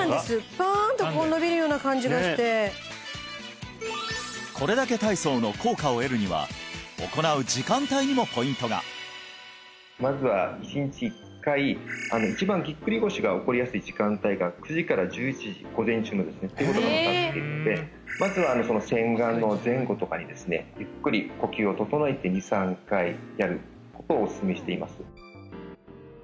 パーンとここ伸びるような感じがしてこれだけ体操の効果を得るには行う時間帯にもポイントがまずは１日１回一番ぎっくり腰が起こりやすい時間帯が９時から１１時午前中のですねっていうことが分かっていてまずは洗顔の前後とかにですねゆっくり呼吸を整えて２３回やることをおすすめしています